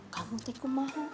kamu tekum maha